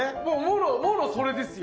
もろそれですよ。